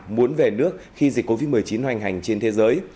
muốn về nước khi dịch covid một mươi chín hoành hành trên thế giới